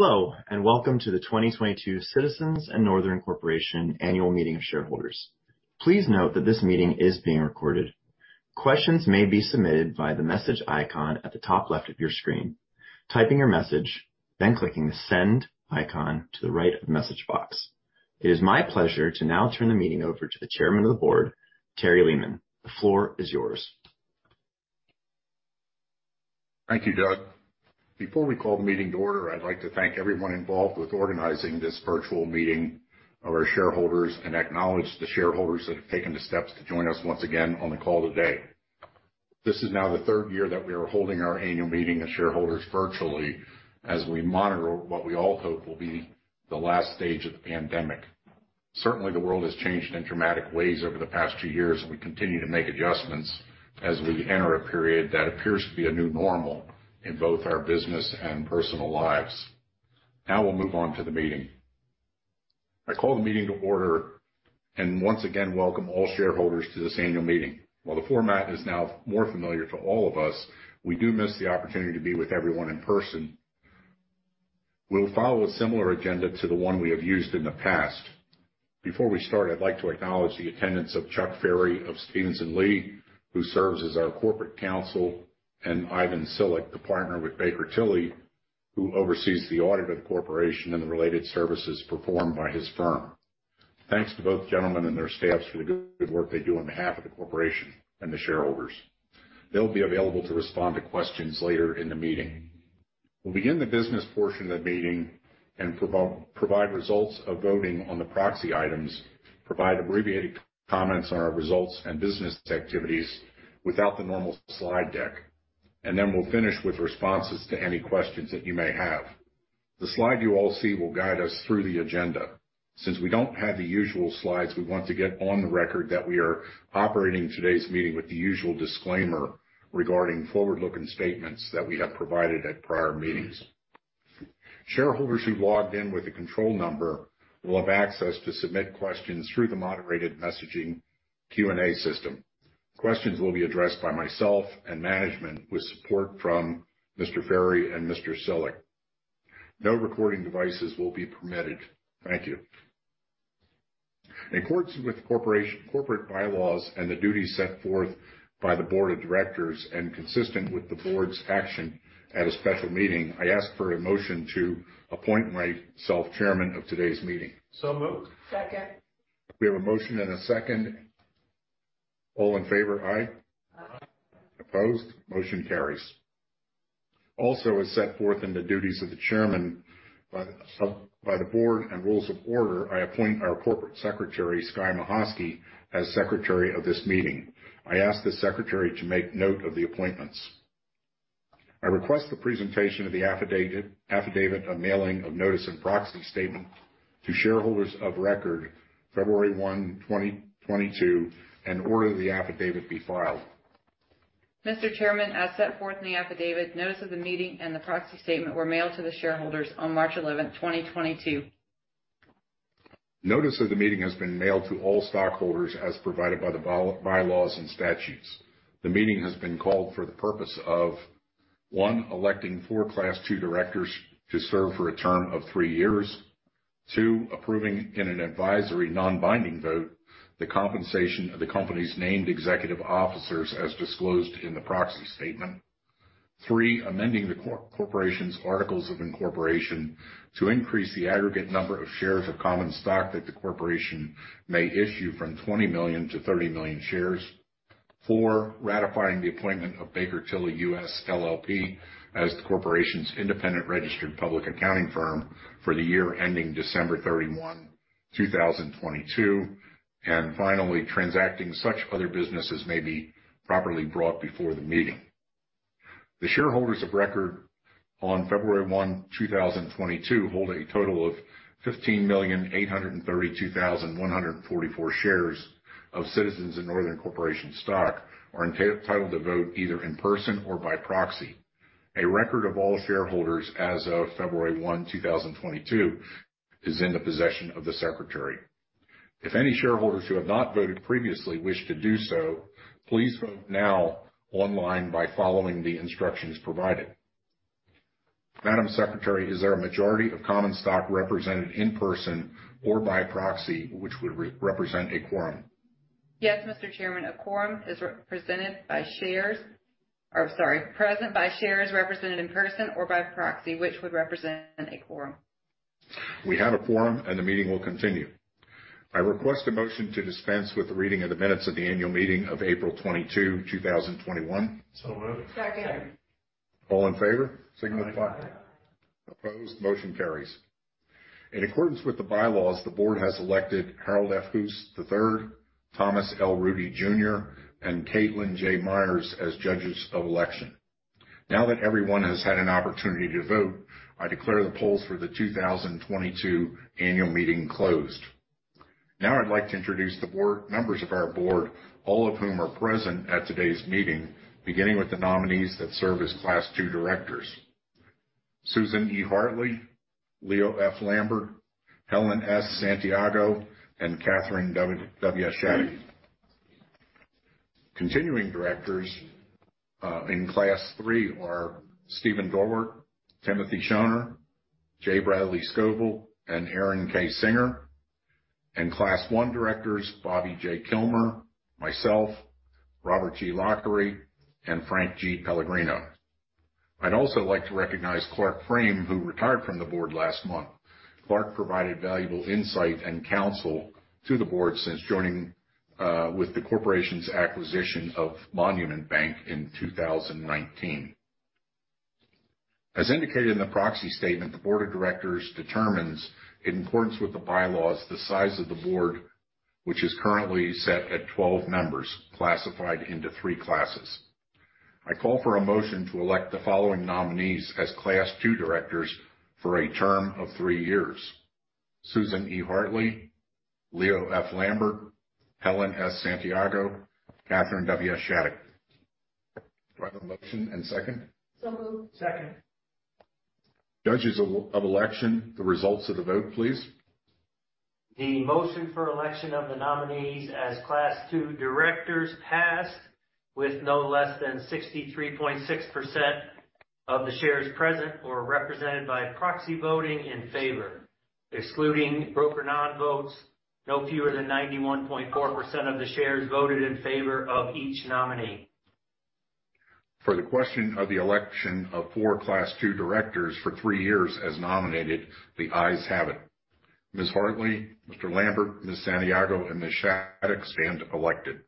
Hello, and welcome to the 2022 Citizens & Northern Corporation annual meeting of shareholders. Please note that this meeting is being recorded. Questions may be submitted via the message icon at the top left of your screen, typing your message, then clicking the send icon to the right of the message box. It is my pleasure to now turn the meeting over to the Chairman of the Board, Terry Lehman. The floor is yours. Thank you, Doug. Before we call the meeting to order, I'd like to thank everyone involved with organizing this virtual meeting of our shareholders and acknowledge the shareholders that have taken the steps to join us once again on the call today. This is now the third year that we are holding our annual meeting of shareholders virtually as we monitor what we all hope will be the last stage of the pandemic. Certainly, the world has changed in dramatic ways over the past two years, and we continue to make adjustments as we enter a period that appears to be a new normal in both our business and personal lives. Now we'll move on to the meeting. I call the meeting to order, and once again, welcome all shareholders to this annual meeting. While the format is now more familiar to all of us, we do miss the opportunity to be with everyone in person. We'll follow a similar agenda to the one we have used in the past. Before we start, I'd like to acknowledge the attendance of Chuck Ferry of Stevens & Lee, who serves as our corporate counsel, and Ivan Cilik, the partner with Baker Tilly, who oversees the audit of the corporation and the related services performed by his firm. Thanks to both gentlemen and their staffs for the good work they do on behalf of the corporation and the shareholders. They'll be available to respond to questions later in the meeting. We'll begin the business portion of the meeting and provide results of voting on the proxy items, provide abbreviated comments on our results and business activities without the normal slide deck. We'll finish with responses to any questions that you may have. The slide you all see will guide us through the agenda. Since we don't have the usual slides, we want to get on the record that we are operating today's meeting with the usual disclaimer regarding forward-looking statements that we have provided at prior meetings. Shareholders who logged in with a control number will have access to submit questions through the moderated messaging Q&A system. Questions will be addressed by myself and management with support from Mr. Ferry and Mr. Cilik. No recording devices will be permitted. Thank you. In accordance with corporate bylaws and the duties set forth by the Board of Directors and consistent with the Board's action at a special meeting, I ask for a motion to appoint myself Chairman of today's meeting. Moved. Second. We have a motion and a second. All in favor, aye. Opposed. Motion carries. Also, as set forth in the duties of the chairman by the board and rules of order, I appoint our corporate secretary, Skye Mahosky, as secretary of this meeting. I ask the secretary to make note of the appointments. I request the presentation of the affidavit of mailing of notice and proxy statement to shareholders of record February 1, 2022, and order the affidavit be filed. Mr. Chairman, as set forth in the affidavit, notice of the meeting and the proxy statement were mailed to the shareholders on March 11, 2022. Notice of the meeting has been mailed to all stockholders as provided by the bylaws and statutes. The meeting has been called for the purpose of one, electing four Class Two directors to serve for a term of thre years. Two, approving in an advisory non-binding vote the compensation of the company's named executive officers as disclosed in the proxy statement. Three, amending the corporation's articles of incorporation to increase the aggregate number of shares of common stock that the corporation may issue from 20 million to 30 million shares. Four, ratifying the appointment of Baker Tilly US, LLP as the corporation's independent registered public accounting firm for the year ending December 31, 2022. Finally, transacting such other business as may be properly brought before the meeting. The shareholders of record on February 1, 2022, hold a total of 15,832,144 shares of Citizens & Northern Corporation stock and are entitled to vote either in person or by proxy. A record of all shareholders as of February 1, 2022, is in the possession of the secretary. If any shareholders who have not voted previously wish to do so, please vote now online by following the instructions provided. Madam Secretary, is there a majority of common stock represented in person or by proxy, which would represent a quorum? Yes, Mr. Chairman. A quorum is present by shares represented in person or by proxy, which would represent a quorum. We have a quorum, and the meeting will continue. I request a motion to dispense with the reading of the minutes of the annual meeting of April 22, 2021. Moved. Second. All in favor, signify by. Aye. Opposed. Motion carries. In accordance with the bylaws, the board has elected Harold F. Hoose III, Thomas L. Rudy Jr., and Kaitlyn J. Myers as judges of election. Now that everyone has had an opportunity to vote, I declare the polls for the 2022 annual meeting closed. Now I'd like to introduce the board, members of our board, all of whom are present at today's meeting, beginning with the nominees that serve as Class Two directors. Susan E. Hartley, Leo F. Lambert, Helen S. Santiago, and Katherine W. Shattuck. Continuing directors in class three are Stephen M. Dorwart, Timothy E. Schoener, J. Bradley Scovill, and Aaron K. Singer. Class one directors, Bobby J. Kilmer, myself, Robert G. Lochrie, and Frank G. Pellegrino. I'd also like to recognize Clark Frame, who retired from the board last month. Clark provided valuable insight and counsel to the board since joining with the corporation's acquisition of Monument Bank in 2019. As indicated in the proxy statement, the board of directors determines, in accordance with the bylaws, the size of the board, which is currently set at 12 members classified into three classes. I call for a motion to elect the following nominees as Class Two directors for a term of three years. Susan E. Hartley, Leo F. Lambert, Helen S. Santiago, Katherine W. Shattuck. Do I have a motion and second? Moved. Second. Judges of election, the results of the vote, please. The motion for election of the nominees as Class Two directors passed with no less than 63.6% of the shares present or represented by proxy voting in favor. Excluding broker non-votes, no fewer than 91.4% of the shares voted in favor of each nominee. For the question of the election of four Class Two directors for three years as nominated, the ayes have it. Ms. Hartley, Mr. Lambert, Ms. Santiago, and Ms. Shattuck stand elected.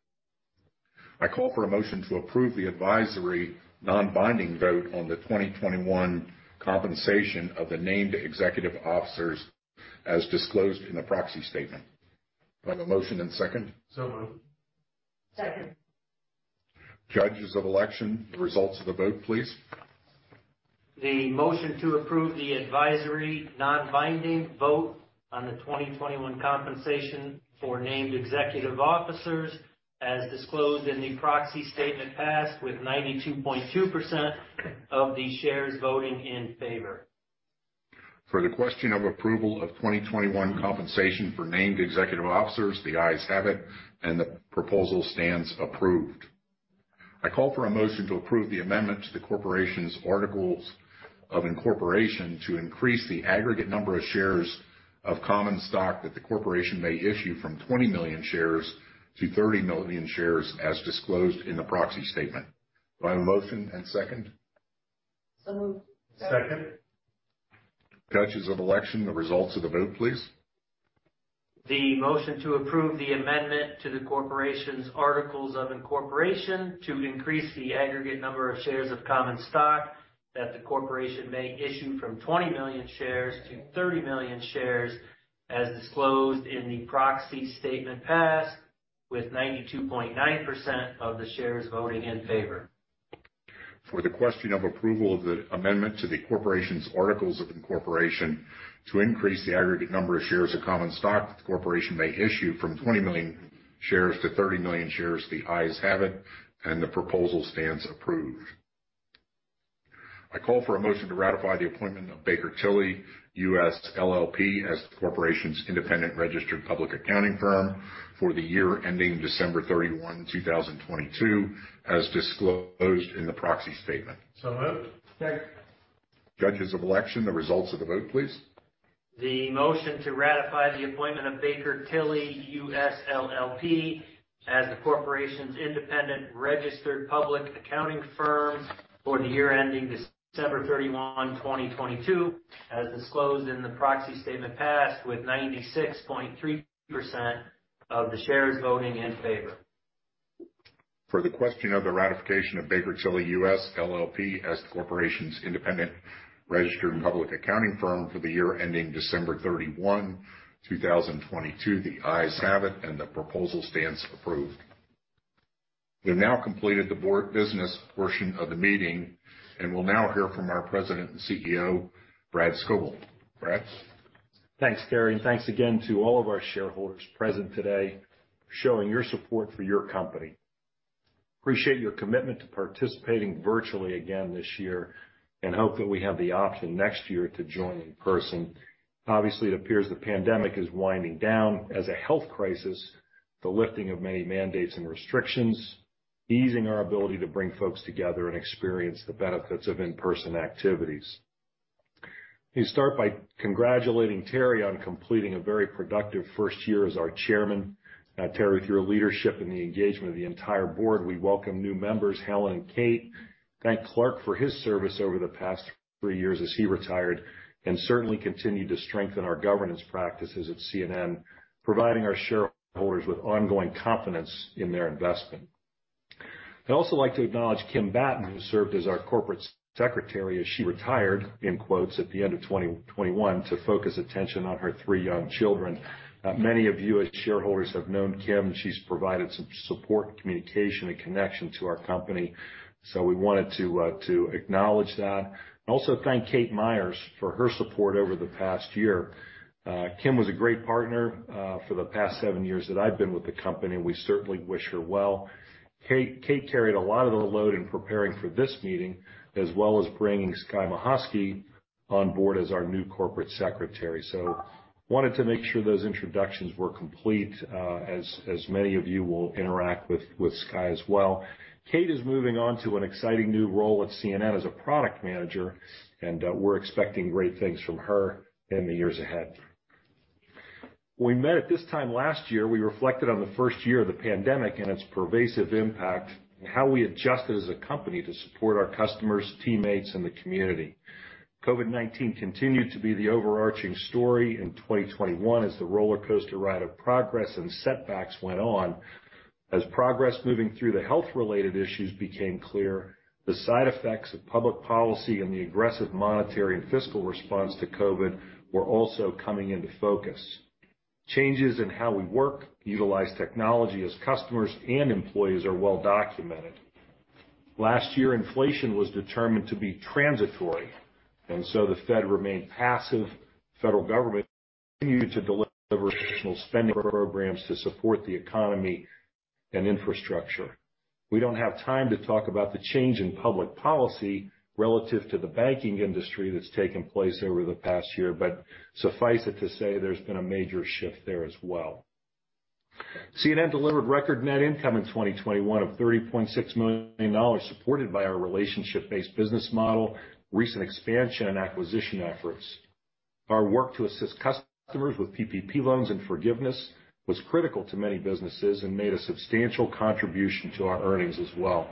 I call for a motion to approve the advisory non-binding vote on the 2021 compensation of the named executive officers as disclosed in the proxy statement. Do I have a motion and second? Moved. Second. Judges of Election, the results of the vote, please. The motion to approve the advisory non-binding vote on the 2021 compensation for named executive officers as disclosed in the proxy statement passed with 92.2% of the shares voting in favor. For the question of approval of 2021 compensation for named executive officers, the ayes have it, and the proposal stands approved. I call for a motion to approve the amendment to the Corporation's Articles of Incorporation to increase the aggregate number of shares of common stock that the corporation may issue from 20 million shares to 30 million shares as disclosed in the proxy statement. Do I have a motion and second? Moved. Second. Judges of Election, the results of the vote, please. The motion to approve the amendment to the Corporation's Articles of Incorporation to increase the aggregate number of shares of common stock that the corporation may issue from 20 million shares to 30 million shares, as disclosed in the proxy statement passed with 92.9% of the shares voting in favor. For the question of approval of the amendment to the Corporation's Articles of Incorporation to increase the aggregate number of shares of common stock the corporation may issue from 20 million shares to 30 million shares, the ayes have it, and the proposal stands approved. I call for a motion to ratify the appointment of Baker Tilly US, LLP as the corporation's independent registered public accounting firm for the year ending December 31, 2022, as disclosed in the proxy statement. Moved. Second. Judges of Election, the results of the vote, please. The motion to ratify the appointment of Baker Tilly US, LLP as the corporation's independent registered public accounting firm for the year ending December 31, 2022, as disclosed in the proxy statement passed with 96.3% of the shares voting in favor. For the question of the ratification of Baker Tilly US, LLP as the corporation's independent registered public accounting firm for the year ending December 31, 2022, the ayes have it, and the proposal stands approved. We have now completed the board business portion of the meeting and will now hear from our President and CEO, Brad Scovill. Brad? Thanks, Terry. Thanks again to all of our shareholders present today for showing your support for your company. Appreciate your commitment to participating virtually again this year and hope that we have the option next year to join in person. Obviously, it appears the pandemic is winding down as a health crisis. The lifting of many mandates and restrictions, easing our ability to bring folks together and experience the benefits of in-person activities. Let me start by congratulating Terry on completing a very productive first year as our chairman. Terry, through your leadership and the engagement of the entire board, we welcome new members, Helen and Kate. Thank Clark for his service over the past three years as he retired, and certainly continued to strengthen our governance practices at C&N, providing our shareholders with ongoing confidence in their investment. I'd also like to acknowledge Kim Batten, who served as our corporate secretary as she retired, in quotes, at the end of 2021 to focus attention on her 3 young children. Many of you as shareholders have known Kim. She's provided some support, communication, and connection to our company, so we wanted to acknowledge that. also thank Kate Myers for her support over the past year. Kim was a great partner for the past 7 years that I've been with the company, and we certainly wish her well. Kate carried a lot of the load in preparing for this meeting, as well as bringing Skye Mahosky on board as our new corporate secretary. wanted to make sure those introductions were complete, as many of you will interact with Skye as well. Kate is moving on to an exciting new role at C&N as a product manager, and we're expecting great things from her in the years ahead. When we met at this time last year, we reflected on the first year of the pandemic and its pervasive impact, and how we adjusted as a company to support our customers, teammates, and the community. COVID-19 continued to be the overarching story in 2021 as the rollercoaster ride of progress and setbacks went on. As progress moving through the health-related issues became clear, the side effects of public policy and the aggressive monetary and fiscal response to COVID were also coming into focus. Changes in how we work, utilize technology as customers and employees are well documented. Last year, inflation was determined to be transitory, and so the Fed remained passive. Federal government continued to deliver additional spending programs to support the economy and infrastructure. We don't have time to talk about the change in public policy relative to the banking industry that's taken place over the past year, but suffice it to say, there's been a major shift there as well. C&N delivered record net income in 2021 of $30.6 million, supported by our relationship-based business model, recent expansion and acquisition efforts. Our work to assist customers with PPP loans and forgiveness was critical to many businesses and made a substantial contribution to our earnings as well.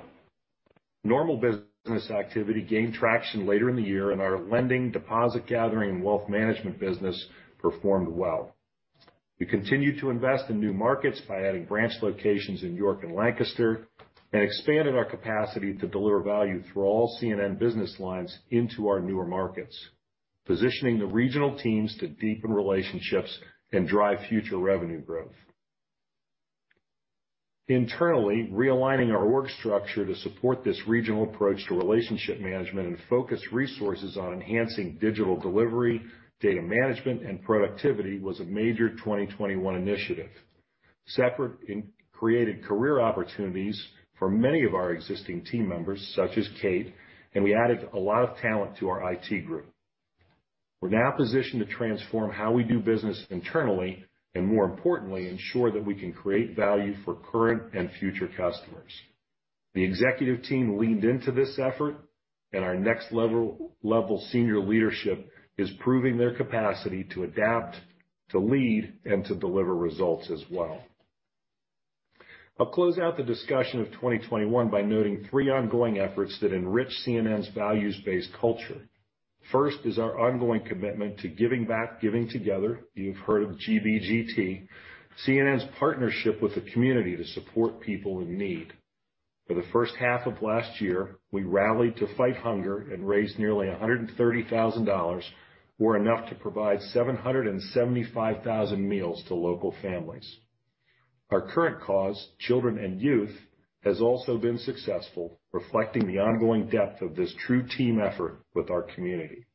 Normal business activity gained traction later in the year, and our lending, deposit gathering, and wealth management business performed well. We continued to invest in new markets by adding branch locations in York and Lancaster, and expanded our capacity to deliver value through all C&N business lines into our newer markets, positioning the regional teams to deepen relationships and drive future revenue growth. Internally, realigning our org structure to support this regional approach to relationship management and focus resources on enhancing digital delivery, data management, and productivity was a major 2021 initiative. It separated and created career opportunities for many of our existing team members, such as Kate, and we added a lot of talent to our IT group. We're now positioned to transform how we do business internally, and more importantly, ensure that we can create value for current and future customers. The executive team leaned into this effort, and our next level senior leadership is proving their capacity to adapt, to lead, and to deliver results as well. I'll close out the discussion of 2021 by noting three ongoing efforts that enrich C&N's values-based culture. First is our ongoing commitment to giving back, giving together. You've heard of GBGT, C&N's partnership with the community to support people in need. For the first half of last year, we rallied to fight hunger and raised nearly $130,000, or enough to provide 775,000 meals to local families. Our current cause, children and youth, has also been successful, reflecting the ongoing depth of this true team effort with our community.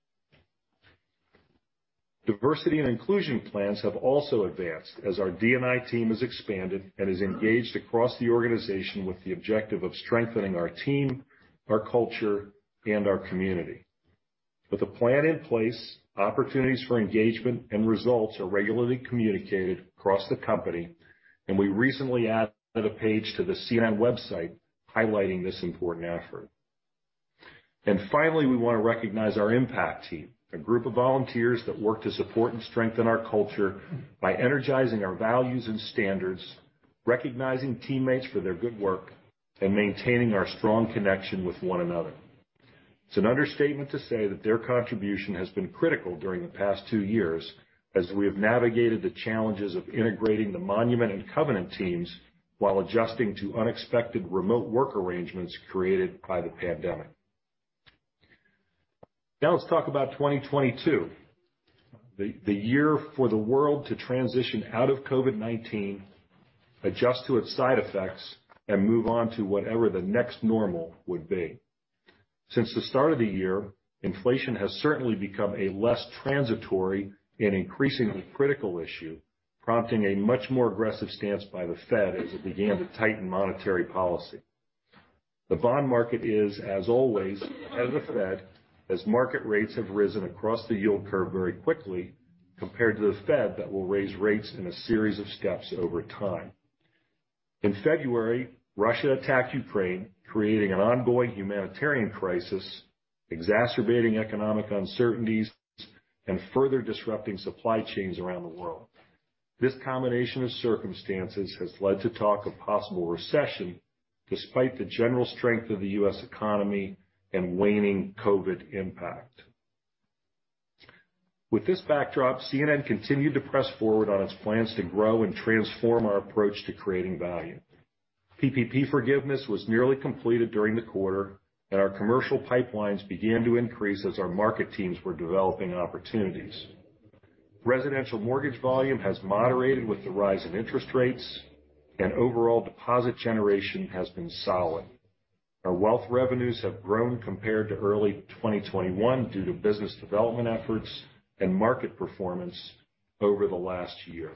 Diversity and inclusion plans have also advanced as our D&I team has expanded and is engaged across the organization with the objective of strengthening our team, our culture, and our community. With a plan in place, opportunities for engagement and results are regularly communicated across the company, and we recently added a page to the C&N website highlighting this important effort. Finally, we wanna recognize our impact team, a group of volunteers that work to support and strengthen our culture by energizing our values and standards, recognizing teammates for their good work, and maintaining our strong connection with one another. It's an understatement to say that their contribution has been critical during the past two years as we have navigated the challenges of integrating the Monument and Covenant teams while adjusting to unexpected remote work arrangements created by the pandemic. Now let's talk about 2022. The year for the world to transition out of COVID-19, adjust to its side effects, and move on to whatever the next normal would be. Since the start of the year, inflation has certainly become a less transitory and increasingly critical issue, prompting a much more aggressive stance by the Fed as it began to tighten monetary policy. The bond market is, as always, ahead of the Fed as market rates have risen across the yield curve very quickly compared to the Fed that will raise rates in a series of steps over time. In February, Russia attacked Ukraine, creating an ongoing humanitarian crisis, exacerbating economic uncertainties, and further disrupting supply chains around the world. This combination of circumstances has led to talk of possible recession despite the general strength of the U.S. economy and waning COVID impact. With this backdrop, C&N continued to press forward on its plans to grow and transform our approach to creating value. PPP forgiveness was nearly completed during the quarter, and our commercial pipelines began to increase as our market teams were developing opportunities. Residential mortgage volume has moderated with the rise in interest rates, and overall deposit generation has been solid. Our wealth revenues have grown compared to early 2021 due to business development efforts and market performance over the last year.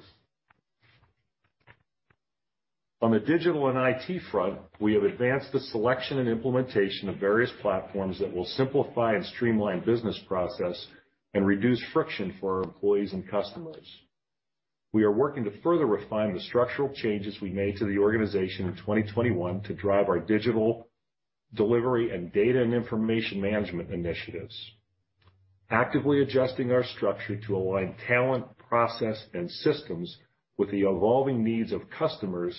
On the digital and IT front, we have advanced the selection and implementation of various platforms that will simplify and streamline business process and reduce friction for our employees and customers. We are working to further refine the structural changes we made to the organization in 2021 to drive our digital delivery and data and information management initiatives. Actively adjusting our structure to align talent, process, and systems with the evolving needs of customers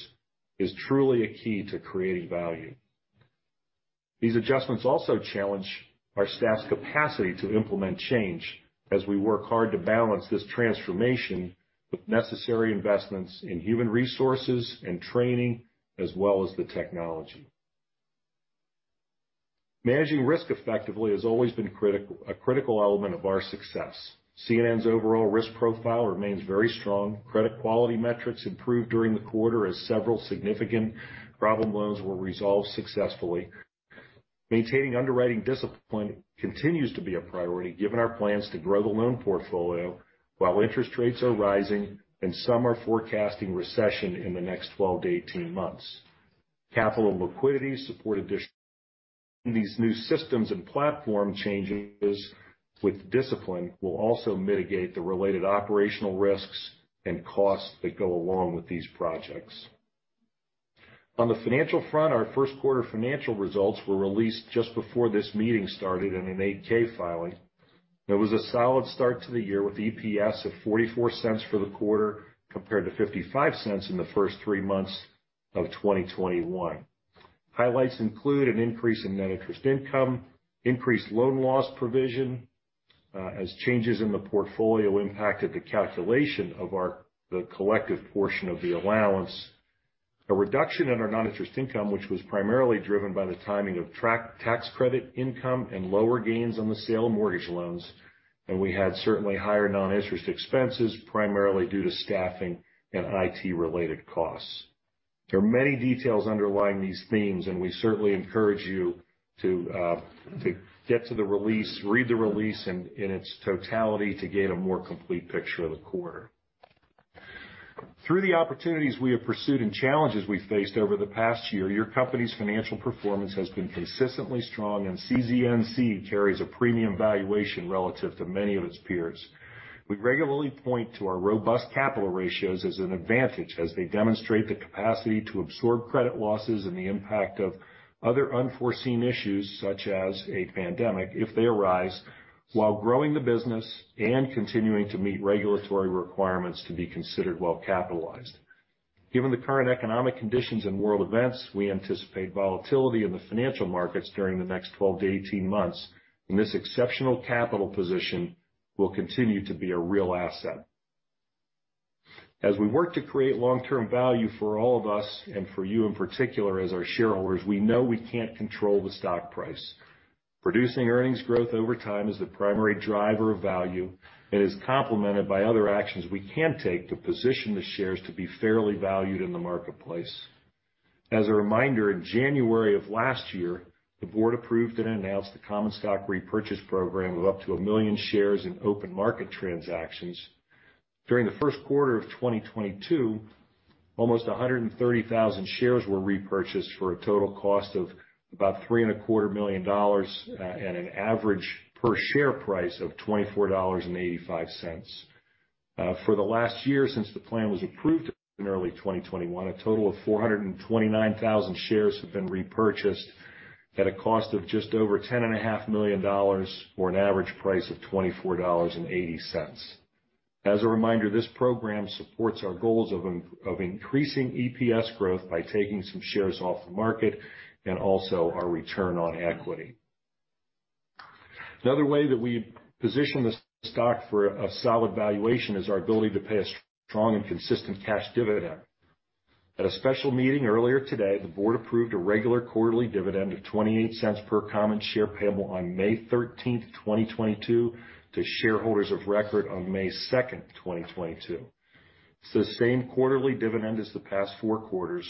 is truly a key to creating value. These adjustments also challenge our staff's capacity to implement change as we work hard to balance this transformation with necessary investments in human resources and training, as well as the technology. Managing risk effectively has always been critical, a critical element of our success. C&N's overall risk profile remains very strong. Credit quality metrics improved during the quarter as several significant problem loans were resolved successfully. Maintaining underwriting discipline continues to be a priority, given our plans to grow the loan portfolio while interest rates are rising and some are forecasting recession in the next 12-18 months. Capital and liquidity support the addition of these new systems and platform changes with discipline will also mitigate the related operational risks and costs that go along with these projects. On the financial front, our first quarter financial results were released just before this meeting started in an 8-K filing. It was a solid start to the year with EPS of $0.44 for the quarter, compared to $0.55 in the first three months of 2021. Highlights include an increase in net interest income, increased loan loss provision, as changes in the portfolio impacted the calculation of our collective portion of the allowance. A reduction in our non-interest income, which was primarily driven by the timing of tax credit income and lower gains on the sale of mortgage loans, and we had certainly higher non-interest expenses, primarily due to staffing and IT-related costs. There are many details underlying these themes, and we certainly encourage you to get to the release, read the release in its totality to gain a more complete picture of the quarter. Through the opportunities we have pursued and challenges we faced over the past year, your company's financial performance has been consistently strong, and CZNC carries a premium valuation relative to many of its peers. We regularly point to our robust capital ratios as an advantage as they demonstrate the capacity to absorb credit losses and the impact of other unforeseen issues, such as a pandemic, if they arise, while growing the business and continuing to meet regulatory requirements to be considered well capitalized. Given the current economic conditions and world events, we anticipate volatility in the financial markets during the next 12-18 months, and this exceptional capital position will continue to be a real asset. As we work to create long-term value for all of us and for you, in particular, as our shareholders, we know we can't control the stock price. Producing earnings growth over time is the primary driver of value and is complemented by other actions we can take to position the shares to be fairly valued in the marketplace. As a reminder, in January of last year, the board approved and announced the common stock repurchase program of up to 1 million shares in open market transactions. During the first quarter of 2022, almost 130,000 shares were repurchased for a total cost of about $3.25 million at an average per share price of $24.85. For the last year since the plan was approved in early 2021, a total of 429,000 shares have been repurchased at a cost of just over $10.5 million for an average price of $24.80. As a reminder, this program supports our goals of increasing EPS growth by taking some shares off the market and also our return on equity. Another way that we position the stock for a solid valuation is our ability to pay a strong and consistent cash dividend. At a special meeting earlier today, the board approved a regular quarterly dividend of $0.28 per common share payable on May 13, 2022 to shareholders of record on May 2, 2022. Sustained quarterly dividend as in the past four quarters,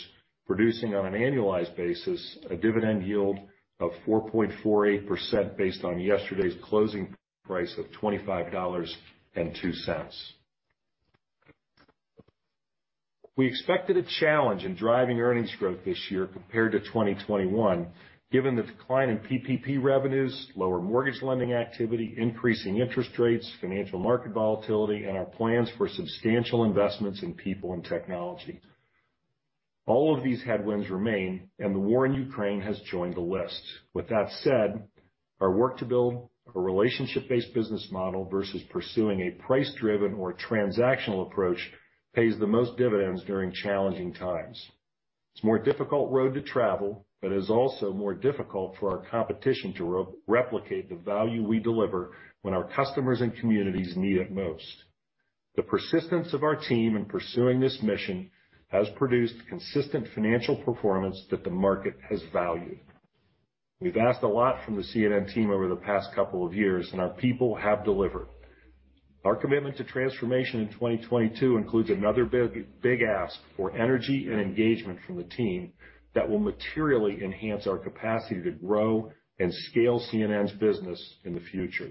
producing on an annualized basis a dividend yield of 4.48% based on yesterday's closing price of $25.02. We expected a challenge in driving earnings growth this year compared to 2021 given the decline in PPP revenues, lower mortgage lending activity, increasing interest rates, financial market volatility, and our plans for substantial investments in people and technology. All of these headwinds remain, and the war in Ukraine has joined the list. With that said, our work to build a relationship-based business model versus pursuing a price-driven or transactional approach pays the most dividends during challenging times. It's a more difficult road to travel, but it is also more difficult for our competition to replicate the value we deliver when our customers and communities need it most. The persistence of our team in pursuing this mission has produced consistent financial performance that the market has valued. We've asked a lot from the C&N team over the past couple of years, and our people have delivered. Our commitment to transformation in 2022 includes another big, big ask for energy and engagement from the team that will materially enhance our capacity to grow and scale C&N's business in the future.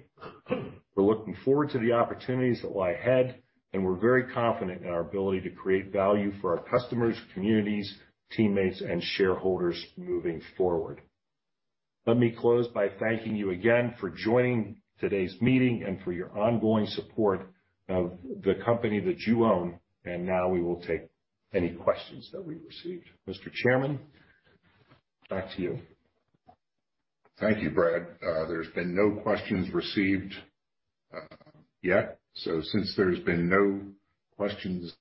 We're looking forward to the opportunities that lie ahead, and we're very confident in our ability to create value for our customers, communities, teammates, and shareholders moving forward. Let me close by thanking you again for joining today's meeting and for your ongoing support of the company that you own. Now we will take any questions that we've received. Mr. Chairman, back to you. Thank you, Brad. There's been no questions received yet. Since there's been no questions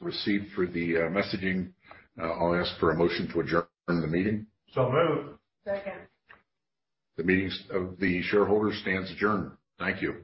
received through the messaging, I'll ask for a motion to adjourn the meeting. Moved. Second. The meetings of the shareholders stand adjourned. Thank you.